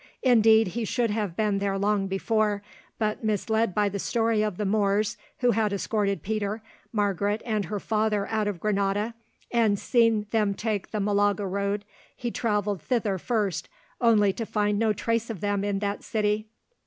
Indeed he should have been there long before, but misled by the story of the Moors who had escorted Peter, Margaret, and her father out of Granada and seen them take the Malaga road, he travelled thither first, only to find no trace of them in that city.